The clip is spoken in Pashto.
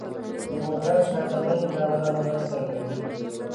د موټر شاتنۍ کامره مرسته کوي.